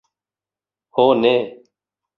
Ho ne!